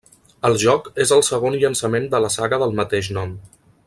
El joc és el segon llançament de la saga del mateix nom.